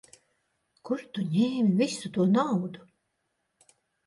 Kur tu ņēmi visu to naudu?